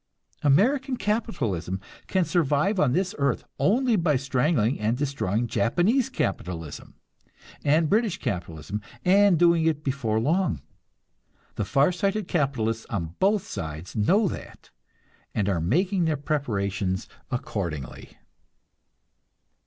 American capitalism can survive on this earth only by strangling and destroying Japanese capitalism and British capitalism, and doing it before long. The far sighted capitalists on both sides know that, and are making their preparations accordingly.